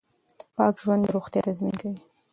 پاک ژوند د روغتیا تضمین کوي.